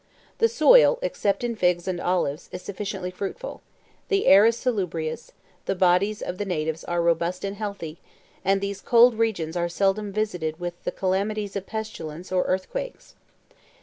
23 The soil, except in figs and olives, is sufficiently fruitful; the air is salubrious; the bodies of the natives are robust and healthy; and these cold regions are seldom visited with the calamities of pestilence, or earthquakes.